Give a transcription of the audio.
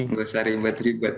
nggak usah ribet ribet